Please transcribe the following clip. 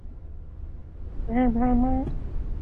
Appeals from the Court lay with the Court of Appeal.